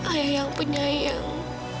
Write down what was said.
ayah yang penyayang